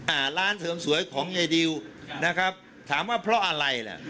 อ่าร้านเสริมสวยของยายดิวนะครับถามว่าเพราะอะไรล่ะ